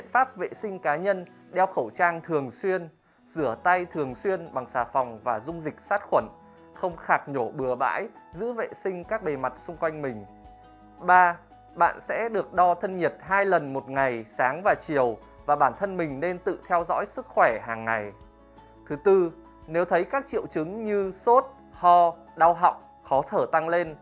hãy đăng ký kênh để ủng hộ kênh của chúng mình nhé